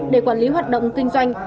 để quản lý hoạt động kinh doanh